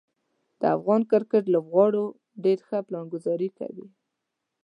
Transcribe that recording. د افغان کرکټ لوبغاړو ډیر ښه پلانګذاري کوي.